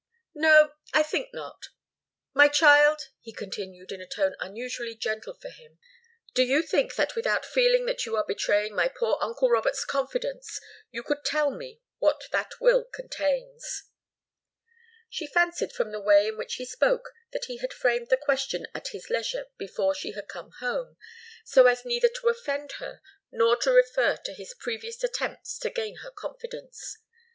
"No I think not. My child," he continued, in a tone unusually gentle for him, "do you think that without feeling that you are betraying my poor uncle Robert's confidence, you could tell me what that will contains?" She fancied from the way in which he spoke that he had framed the question at his leisure before she had come home, so as neither to offend her nor to refer to his previous attempts to gain her confidence.